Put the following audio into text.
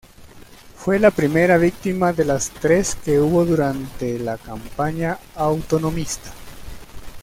Fue la primera víctima de las tres que hubo durante la campaña autonomista.